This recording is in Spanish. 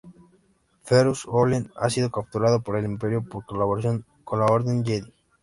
Ferus Olin ha sido capturado por el Imperio por colaboración con la Orden Jedi.